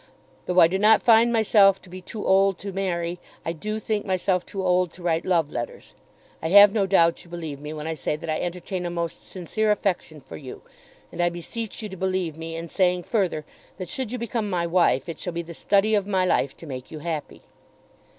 Though I do not find myself to be too old to marry, I do think myself too old to write love letters. I have no doubt you believe me when I say that I entertain a most sincere affection for you; and I beseech you to believe me in saying further that should you become my wife it shall be the study of my life to make you happy.